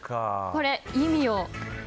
これ、意味を。